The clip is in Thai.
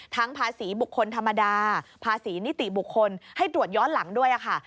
ภาษีบุคคลธรรมดาภาษีนิติบุคคลให้ตรวจย้อนหลังด้วยค่ะ